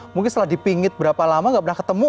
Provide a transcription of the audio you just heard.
mungkin setelah dipingit berapa lama nggak pernah ketemu